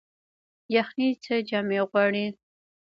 یخني څه جامې غواړي؟